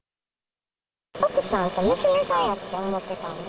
奥さんと娘さんやって思っていたんで。